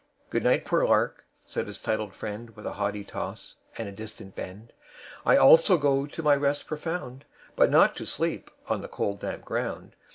"Good night, poor Lark," said his titled friend With a haughty toss and a distant bend; "I also go to my rest profound, But not to sleep on the cold, damp ground.